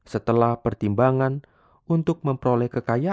setelah pertimbangan untuk memperoleh kekayaan